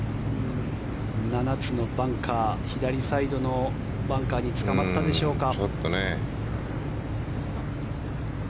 ７つのバンカー左サイドのバンカーにつかまったでしょうか。